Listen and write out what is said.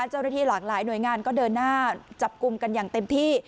เจ้าหน้าที่หลากหลายหน่วยงานก็เดินหน้าจับกลุ่มกันอย่างเต็มที่